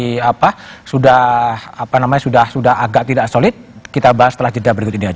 jika masih solid gitu atau masih apa sudah agak tidak solid kita bahas setelah cerita berikut ini saja